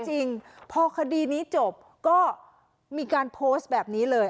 จริงพอคดีนี้จบก็มีการโพสต์แบบนี้เลย